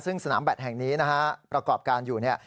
ซึ่งสนามแบตแห่งนี้นะฮะประกอบการอยู่เนี่ย